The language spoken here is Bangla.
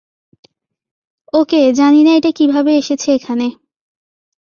ওকে, জানি না এটা কীভাবে এসেছে এখানে।